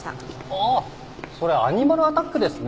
ああそれアニマルアタックですね。